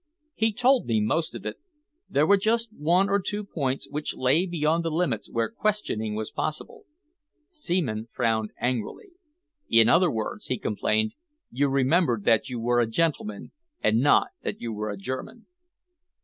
"He told me most of it. There were just one or two points which lay beyond the limits where questioning was possible." Seaman frowned angrily. "In other words," he complained, "you remembered that you were a gentleman and not that you were a German."